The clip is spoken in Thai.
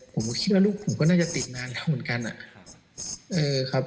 ผมคิดว่าลูกผมก็น่าจะติดนานแล้วเหมือนกันอะ